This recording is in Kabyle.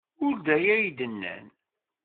Ur d aya ay d-nnan.